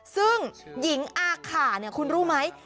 ซึ่งหญิงอาข่าเนี่ยคุณรู้ไหม